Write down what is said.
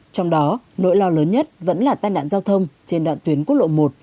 trong đó nỗi lo lớn nhất vẫn là tai nạn giao thông trên đoạn tuyến quốc lộ một